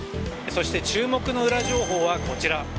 そして、注目のウラ情報はこちら。